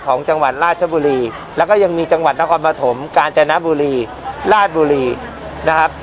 ของจังหวัดราชบุรีแล้วก็ยังมีจังหวัดนครปฐมกาญจนบุรีราชบุรีนะครับ